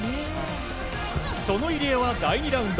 その入江は第２ラウンド。